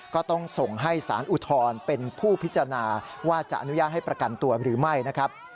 ก็ต้องส่งให้สารอุทธรณ์เป็นผู้พิจารณาว่าจะอนุญาตให้ประกันตัวหรือไม่นะครับ